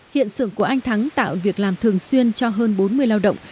hiện xưởng của anh thắng tạo việc làm thường xuyên cho hơn bốn mươi lao động